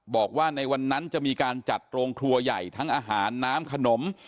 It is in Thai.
บอกว่าในวันนั้นจะมีการจัดโรงครัวใหญ่ทั้งอาหารน้ำขนม